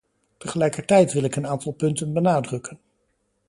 Tegelijkertijd wil ik een aantal punten benadrukken.